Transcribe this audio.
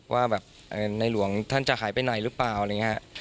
ว่าแบบในหลวงท่านจะหายไปไหนหรือเปล่าอะไรอย่างนี้